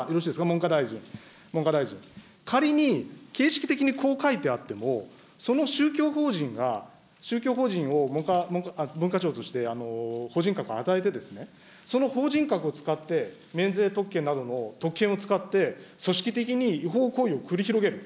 ただ、よろしいですか、文科大臣、文科大臣、仮に形式的にこう書いてあっても、その宗教法人が、宗教法人を文化庁として法人格与えて、その法人格を使って免税特権などの特権を使って、組織的に違法行為を繰り広げる。